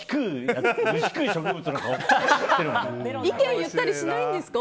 意見、言ったりしないんですか